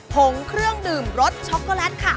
ผงเครื่องดื่มรสช็อกโกแลตค่ะ